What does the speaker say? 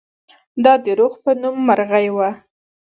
دا د رخ په نوم مرغۍ وه.